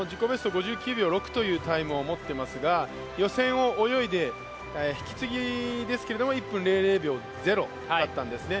５９秒０６というタイムを持ってますが予選を泳いで、引き継ぎですけれども１分００秒０だったんですね。